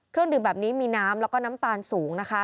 เครื่องดื่มแบบนี้มีน้ำแล้วก็น้ำตาลสูงนะคะ